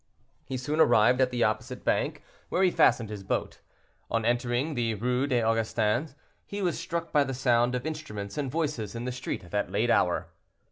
He soon arrived at the opposite bank, where he fastened his boat. On entering the Rue des Augustins, he was struck by the sound of instruments and voices in the street at that late hour.